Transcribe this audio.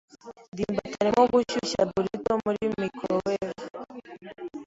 ndimbati arimo gushyushya burrito muri microwave.